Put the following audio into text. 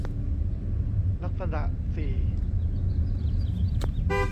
ลักษณะสี่